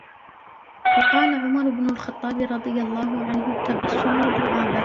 وَقَالَ عُمَرُ بْنُ الْخَطَّابِ رَضِيَ اللَّهُ عَنْهُ التَّبَسُّمُ دُعَابَةٌ